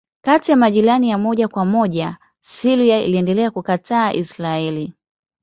Kati ya majirani ya moja kwa moja Syria iliendelea kukataa Israeli.